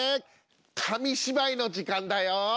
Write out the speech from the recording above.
紙芝居の時間だよ！